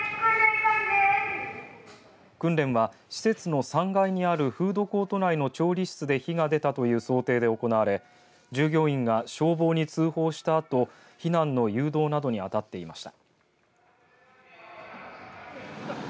訓練は施設の３階にあるフードコート内の調理室で火が出たという想定で行われ従業員が消防に通報したあと避難の誘導などにあたっていました。